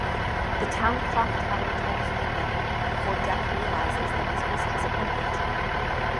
The town clock tower tolls midnight before Death realizes that he's missed his appointment.